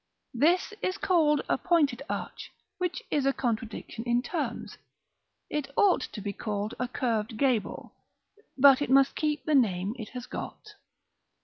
This is called a pointed arch, which is a contradiction in terms: it ought to be called a curved gable; but it must keep the name it has got.